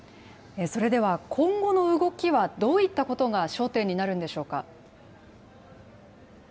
それでは今後の動きはどういったことが焦点になるんでしょうか。